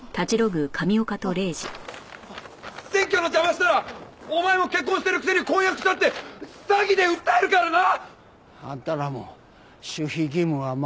選挙の邪魔したらお前も結婚してるくせに婚約したって詐欺で訴えるからな！あんたらも守秘義務は守る事だな。